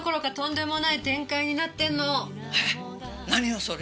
何よそれ。